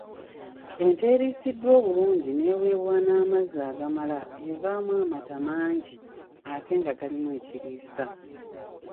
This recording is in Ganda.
Ente eriisiddwa obulungi n’eweebwa n’amazzi agamala evaamu amata mangi ate nga galimu ekiriisa.